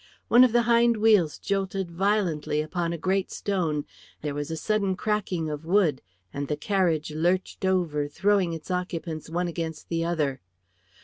One of the hind wheels jolted violently upon a great stone, there was a sudden cracking of wood, and the carriage lurched over, throwing its occupants one against the other.